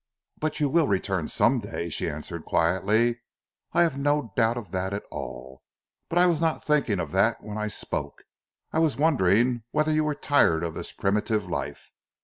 "But you will return, some day," she answered quietly. "I have no doubt of that at all. But I was not thinking of that when I spoke, I was wondering whether you were tired of this primitive life.